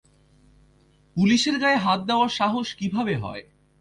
পুলিশের গায়ে হাত দেওয়ার সাহস কীভাবে হয়!